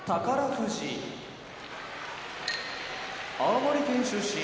富士青森県出身